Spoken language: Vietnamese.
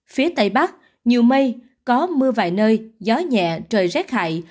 phía tây bắc nhiều mây có mưa vài nơi gió nhẹ trời rét hại